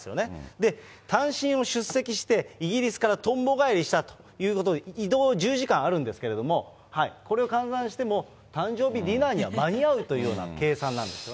で、単身出席して、イギリスからとんぼ返りしたということで、移動１０時間あるんですけれども、これを勘案しても、誕生日ディナーには間に合うというような計算なんですよね。